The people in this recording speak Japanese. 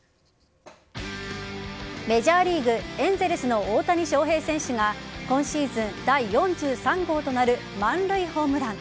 メジャーリーグエンゼルスの大谷翔平選手が今シーズン第４３号となる満塁ホームラン。